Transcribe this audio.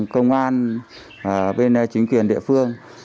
công an bên chính quyền địa phương